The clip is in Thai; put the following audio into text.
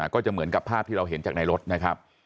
ก็จะเหมือนกับภาพที่เราเห็นจากในรถนะครับ